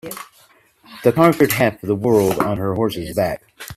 The conquered half of the world on her horse's back.